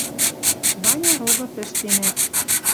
Ваня Рогов ӹштенӓт.